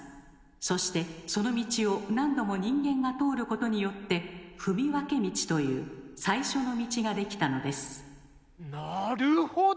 そしてその道を何度も人間が通ることによって「踏み分け道」という最初の道ができたのですなるほど！